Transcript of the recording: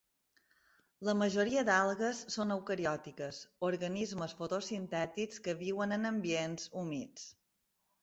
La majoria d'algues són eucariòtiques, organismes fotosintètics que viuen en ambients humits.